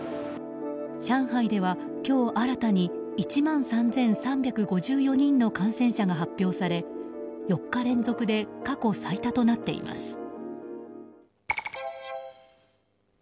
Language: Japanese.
上海では、今日新たに１万３３５４人の感染者が発表され、４日連続で過去最多となっています。